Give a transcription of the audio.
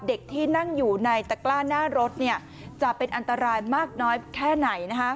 เด็กที่นั่งอยู่ในตะกล้าหน้ารถจะเป็นอันตรายมากน้อยแค่ไหน